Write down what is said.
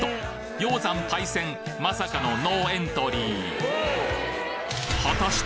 鷹山パイセンまさかのノーエントリー果たして！